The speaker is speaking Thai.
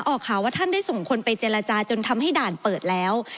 ออกข่าวว่าท่านได้ส่งคนไปเจรจาจนทำให้ด่านเปิดแล้ว